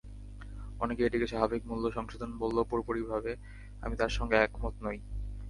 অনেকে এটিকে স্বাভাবিক মূল্য সংশোধন বললেও পুরোপুরিভাবে আমি তার সঙ্গে একমত নই।